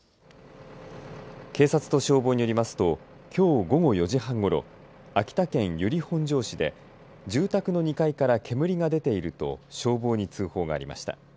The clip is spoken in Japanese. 警察と消防によりますときょう午後４時半ごろ秋田県由利本荘市で住宅の２階から煙が出ていると消防に通報がありました。